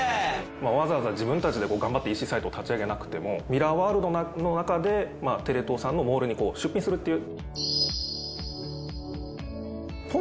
わざわざ自分たちで頑張ってＥＣサイトを立ち上げなくてもミラーワールドの中でテレ東さんのモールに出品するっていう。